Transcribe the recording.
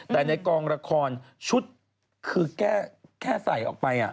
แต่ในกองละครชุดคือแค่ใส่ออกไป